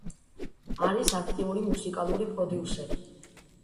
არის აქტიური მუსიკალური პროდიუსერი.